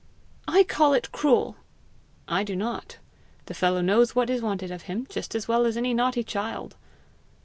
"I call it cruel!" "I do not. The fellow knows what is wanted of him just as well as any naughty child."